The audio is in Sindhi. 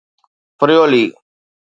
فريولي